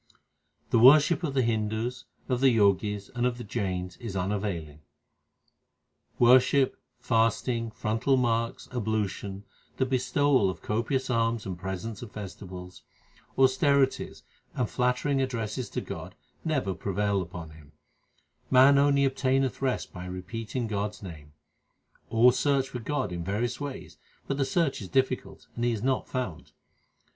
The worship of the Hindus, of the Jogis, and of the Jains is unavailing : Worship, fasting, frontal marks, ablution, the bestowal of copious alms and presents at festivals, Austerities, and flattering addresses to God, never prevail upon Him. HYMNS OF GURU ARJAN 363 Man only obtaineth rest by repeating God s name. All search for God in various ways ; but the search is difficult, and He is not found.